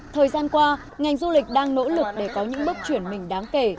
thời gian qua ngành du lịch đang nỗ lực để có những bước chuyển mình đáng kể